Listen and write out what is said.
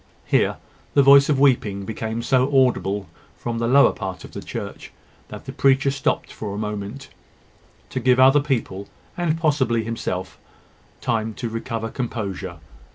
Here the voice of weeping became so audible from the lower part of the church, that the preacher stopped for a moment, to give other people, and possibly himself, time to recover composure.